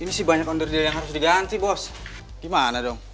ini sih banyak onder deal yang harus diganti bos gimana dong